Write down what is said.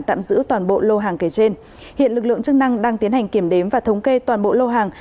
các lực lượng chức năng đã tiến hành kiểm đếm và thống kê toàn bộ lô hàng